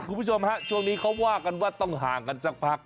คุณผู้ชมฮะช่วงนี้เขาว่ากันว่าต้องห่างกันสักพัก